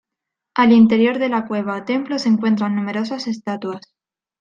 Al interior de la cueva o templo se encuentran numerosas estatuas.